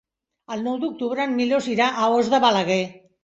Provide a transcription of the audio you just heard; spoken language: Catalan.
El nou d'octubre en Milos irà a Os de Balaguer.